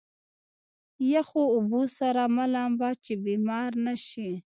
يخو اوبو سره مه لامبه چې بيمار نه شې.